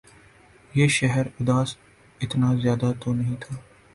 یہ شہر اداس اتنا زیادہ تو نہیں تھا